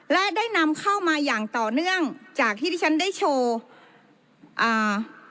และได้นำเข้ามาอย่างต่อเนื่องจากที่ที่ฉันได้โชว์อ่า